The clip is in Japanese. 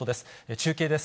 中継です。